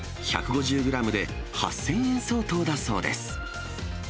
１５０グラムで８０００円相当だそうです。